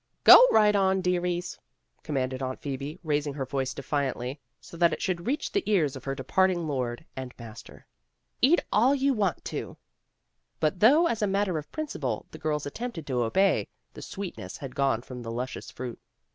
"Go right on, dearies," commanded Aunt Phoebe, raising her voice defiantly, so that it should reach the ears of her departing lord and A TRIUMPH OF ART 47 master. "Eat all you want to." But though as a matter of principle, the girls attempted to obey, the sweetness had gone from the luscious fruit.